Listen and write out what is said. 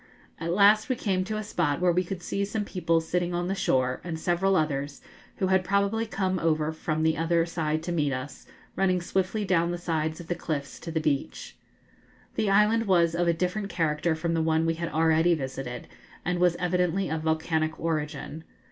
At last we came to a spot where we could see some people sitting on the shore, and several others, who had probably come over from the other side to meet us, running swiftly down the sides of the cliffs to the beach. The island was of a different character from the one we had already visited, and was evidently of volcanic origin.